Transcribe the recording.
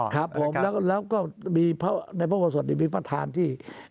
ครับผมแล้วก็มีในพระบาทสวรรค์นี้มีพระธานที่